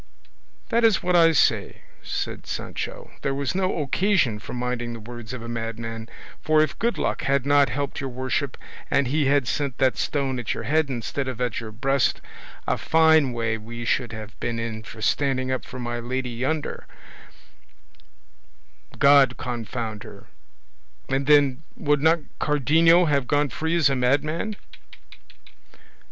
"That is what I say," said Sancho; "there was no occasion for minding the words of a madman; for if good luck had not helped your worship, and he had sent that stone at your head instead of at your breast, a fine way we should have been in for standing up for my lady yonder, God confound her! And then, would not Cardenio have gone free as a madman?"